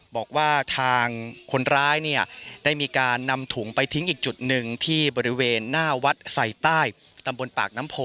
บอกว่าทางคนร้ายเนี่ยได้มีการนำถุงไปทิ้งอีกจุดหนึ่งที่บริเวณหน้าวัดใส่ใต้ตำบลปากน้ำโพ